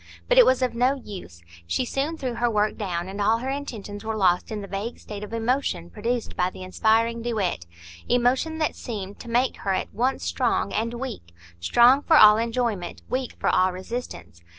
But it was of no use; she soon threw her work down, and all her intentions were lost in the vague state of emotion produced by the inspiring duet,—emotion that seemed to make her at once strong and weak; strong for all enjoyment, weak for all resistance.